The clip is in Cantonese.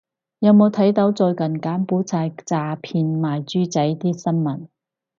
有冇睇到最近柬埔寨詐騙賣豬仔啲新聞